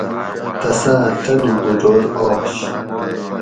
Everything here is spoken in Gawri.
تساں ڷہ لوکوٹور آش